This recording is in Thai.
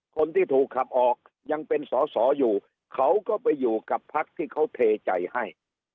คนที่ถูกขับออกยังเป็นสอสออยู่เขาก็ไปอยู่กับพักที่เขาเทใจให้